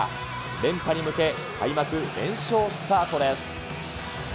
連覇に向け、開幕連勝スタートです。